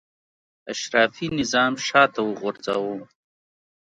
اشرافي نظام شاته وغورځاوه.